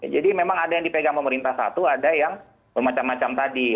jadi memang ada yang dipegang pemerintah satu ada yang bermacam macam tadi